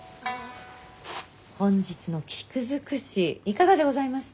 本日の菊尽くしいかがでございました？